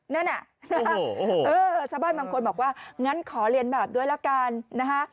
นั่นน่ะเออชาวบ้านบางคนบอกว่างั้นขอเรียนแบบด้วยละกันนะคะ